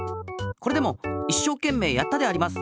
これでもいっしょうけんめいやったであります。